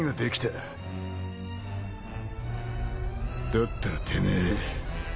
だったらてめえ。